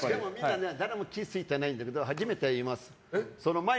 誰も気づいてないんだけど初めて言います。